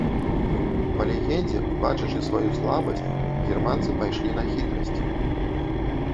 Па легендзе, бачачы сваю слабасць, германцы пайшлі на хітрасць.